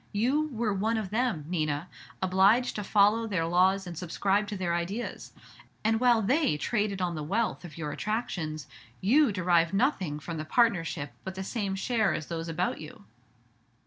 You were 'one of them,' Nina, obliged to follow their laws and subscribe to their ideas; and while they traded on the wealth of your attractions, you derived nothing from the partnership but the same share as those about you."